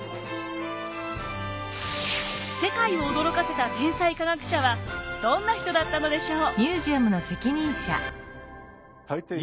世界を驚かせた天才科学者はどんな人だったのでしょう。